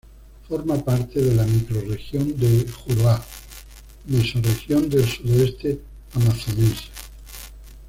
Forma parte de la microrregión de Juruá, mesorregión del Sudoeste Amazonense.